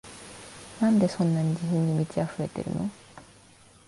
なんでそんなに自信に満ちあふれてるの？